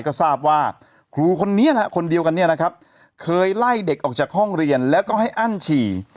ก็ทราบว่าครูคนนี้คนเดียวกันเนี่ยนะครับเคยไล่เด็กออกจากห้องเรียนแล้วก็ให้อั้นฉี่